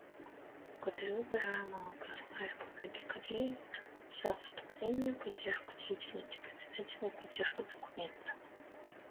Благодарю уважаемого посла Республики Корея за выступление, поддержку деятельности Председателя и поддержку документа.